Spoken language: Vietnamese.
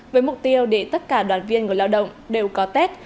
với mục tiêu để tất cả đoàn viên người lao động đều có tết